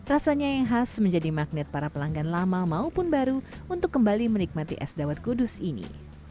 rasanya yang khas menjadi magnet para pelanggan lama maupun baru untuk kembali menikmati es dawet kudus ini